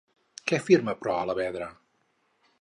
Què afirma, però, Alavedra?